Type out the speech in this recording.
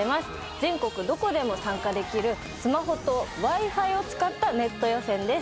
全国どこでも参加できるスマホとＷｉ−Ｆｉを使ったネット予選です。